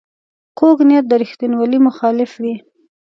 کوږ نیت د ریښتینولۍ مخالف وي